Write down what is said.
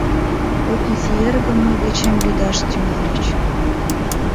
Кок изи эргым мый дечем лӱдаш тӱҥальыч.